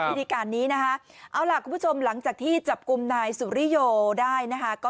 วิธีการนี้นะคะเอาล่ะคุณผู้ชมหลังจากที่จับกลุ่มนายสุริโยได้นะคะ